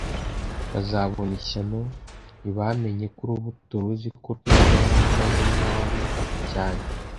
bazabona ishyano. ntibamenye ko urubuto ruzi ko rwema yari ameze nabi cyane,